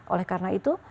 oleh karena itu